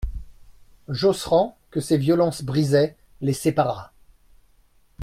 Josserand, que ces violences brisaient, les sépara.